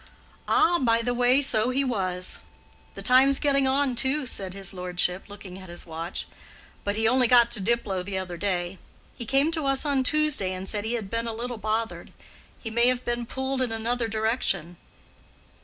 "Ah, by the way, so he was. The time's getting on too," said his lordship, looking at his watch. "But he only got to Diplow the other day. He came to us on Tuesday and said he had been a little bothered. He may have been pulled in another direction.